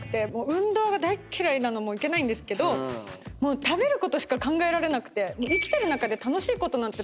運動が大っ嫌いなのもいけないんですけどもう食べることしか考えられなくて。